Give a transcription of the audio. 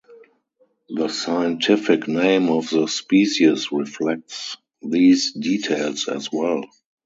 The scientific name of the species reflects these details as well.